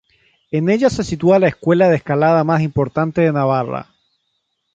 En ella se sitúa la escuela de escalada más importante de Navarra.